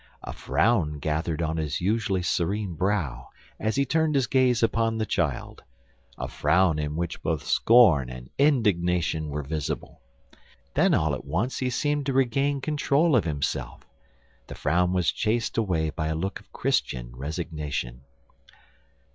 A frown gathered on his usually serene brow as he turned his gaze upon the child a frown in which both scorn and indignation were visible. Then all at once he seemed to regain control of himself. The frown was chased away by a look of Christian resignation.